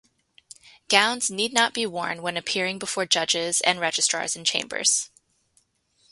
Gowns need not be worn when appearing before judges and registrars in chambers.